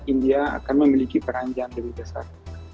india akan memiliki peran yang lebih besar